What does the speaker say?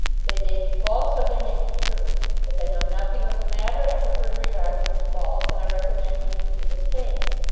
They may be false or they may be true. As I know nothing of the matter, I prefer to regard them as false, and I recommend you to do the same.